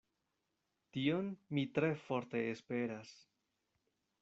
Tion mi tre forte esperas.